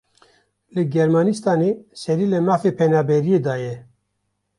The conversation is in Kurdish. Li Germanistanê serî li mafê penaberiyê daye.